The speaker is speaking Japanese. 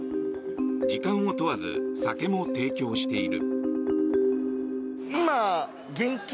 時間を問わず酒も提供している。